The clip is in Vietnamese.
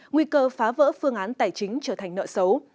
nguy cơ phá vỡ phương án tài chính trở thành nợ xấu